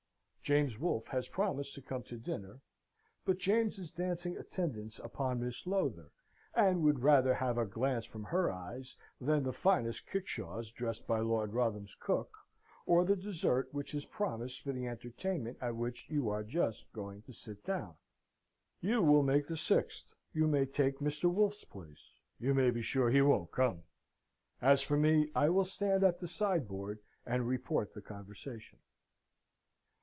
James Wolfe has promised to come to dinner; but James is dancing attendance upon Miss Lowther, and would rather have a glance from her eyes than the finest kickshaws dressed by Lord Wrotham's cook, or the dessert which is promised for the entertainment at which you are just going to sit down. You will make the sixth. You may take Mr. Wolfe's place. You may be sure he won't come. As for me, I will stand at the sideboard and report the conversation.